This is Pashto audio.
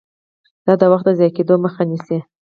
دا د وخت د ضایع کیدو مخه نیسي.